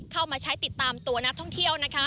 เข้ามาใช้ติดตามตัวนักท่องเที่ยว